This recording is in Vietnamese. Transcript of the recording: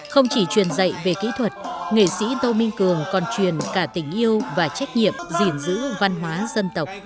không chỉ truyền dạy về kỹ thuật nghệ sĩ tô minh cường còn truyền cả tình yêu và trách nhiệm gìn giữ văn hóa dân tộc